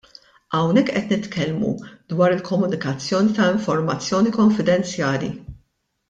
Hawnhekk qed nitkellmu dwar il-komunikazzjoni ta' informazzjoni konfidenzjali.